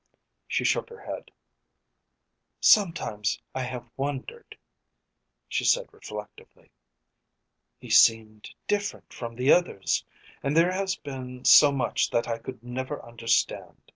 She shook her head. "Sometimes I have wondered " she said reflectively. "He seemed different from the others, and there has been so much that I could never understand.